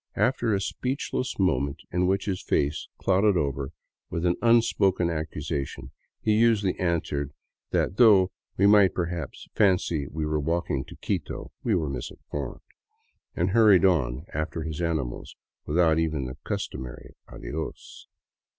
After a speechless moment in which his face clouded over with an unspoken accusation, he usually answered that though we might perhaps fancy we were walking to Quito, we were misinformed, and hurried on after his animals without even the customary " Adios."